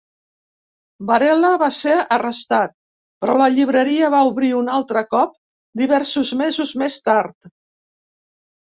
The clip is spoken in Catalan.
Varela va ser arrestat, però la llibreria va obrir un altre cop diversos mesos més tard.